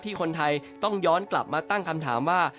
คนไทยต้องย้อนกลับมาตั้งคำถามว่า